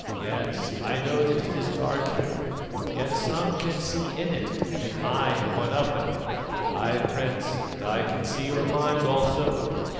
Yes, I know that it is dark here, yet some can see in it, and I am one of them. Ay, Prince, and I can see your mind also.